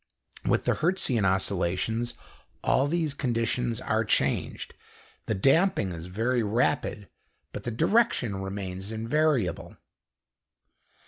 With the Hertzian oscillations all these conditions are changed the damping is very rapid but the direction remains invariable.